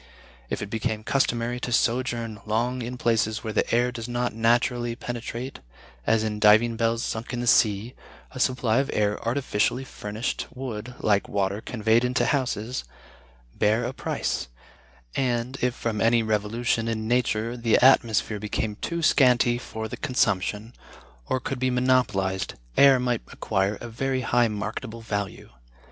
If it became customary to sojourn long in places where the air does not naturally penetrate, as in diving bells sunk in the sea, a supply of air artificially furnished would, like water conveyed into houses, bear a price: and, if from any revolution in nature the atmosphere became too scanty for the consumption, or could be monopolized, air might acquire a very high marketable value.